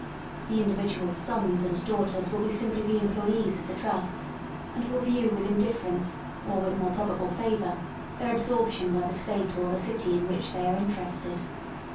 The individual's sons and daughters will be simply the employees of the Trusts, and will view with indiffer ence or with more probable favour their absorption by the State or the City in which they are interested.